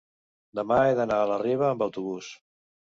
demà he d'anar a la Riba amb autobús.